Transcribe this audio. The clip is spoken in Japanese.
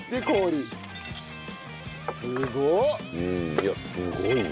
いやすごいね。